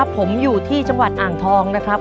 ผมอยู่ที่จังหวัดอ่างทองนะครับ